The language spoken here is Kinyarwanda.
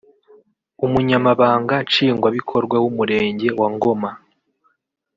umunyamabanga nshingwabikorwa w’umurenge wa Ngoma